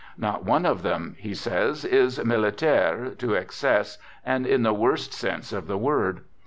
" Not one of them," he says, " is 1 militaire ' to excess, and in the worst sense of the word."